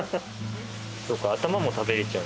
そうか頭も食べられちゃう。